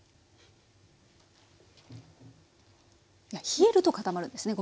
冷えると固まるんですね。